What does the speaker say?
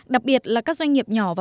đặc biệt là các doanh nghiệp nhỏ và vừa